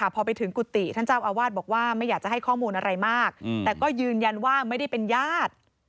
พอไปถึงกุฏิท่านเจ้าอาวาสบอกว่าไม่อยากจะให้ข้อมูลอะไรมากแต่ก็ยืนยันว่าไม่ได้เป็นญาติ